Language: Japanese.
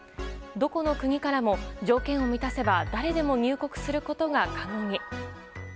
どこの国からも条件を満たせば誰でも入国することが可能に。